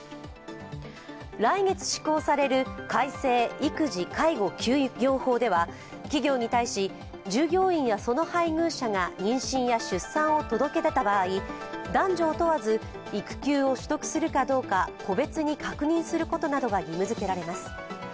来月施行される改正育児・介護休業法では企業に対し従業員やその配偶者が妊娠や出産を届け出た場合男女を問わず育休を取得するかどうか個別に確認することなどが義務づけられます。